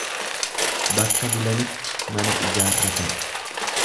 Bakka bulanitti mana ijaarratan.